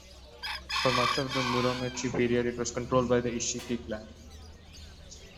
For much of the Muromachi period it was controlled by the Isshiki clan.